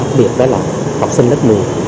đặc biệt đó là học sinh lớp một mươi